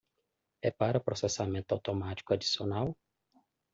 É para processamento automático adicional?